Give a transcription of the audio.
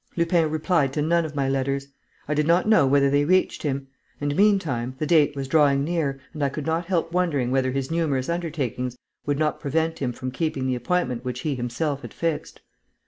Lupin replied to none of my letters. I did not know whether they reached him; and, meantime, the date was drawing near and I could not help wondering whether his numerous undertakings would not prevent him from keeping the appointment which he himself had fixed.